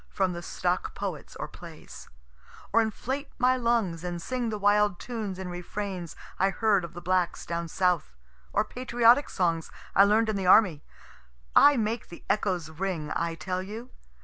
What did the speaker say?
from the stock poets or plays or inflate my lungs and sing the wild tunes and refrains I heard of the blacks down south, or patriotic songs I learn'd in the army. I make the echoes ring, I tell you!